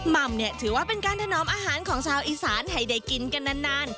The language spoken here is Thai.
ม่ำเนี่ยถือว่าเป็นการถนอมอาหารของชาวอีสานให้ได้กินกันนาน